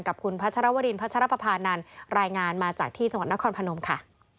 กับคุณพัชรวรินพัชรปภานันรายงานมาจากที่จังหวัดนครพนมค่ะ